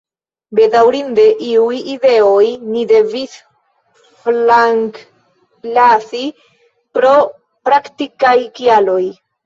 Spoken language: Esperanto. Bedaŭrinde iujn ideojn ni devis flankenlasi pro praktikaj kialoj.